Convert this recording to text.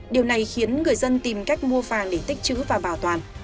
điều này khiến người dân tìm cách mua vàng để tích chữ và bảo toàn